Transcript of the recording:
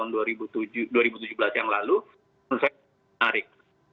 menurut saya menarik